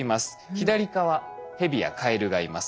左側ヘビやカエルがいます。